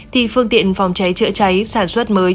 thì phương tiện phòng cháy chữa cháy sản xuất mới